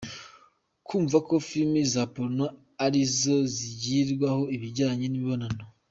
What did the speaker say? Kumva ko film za porno ari zo zigirwaho ibijyanye n’imibonano.